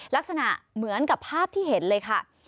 ลักษณะเหมือนกับภาพที่เห็นเลยค่ะ